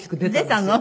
出たの？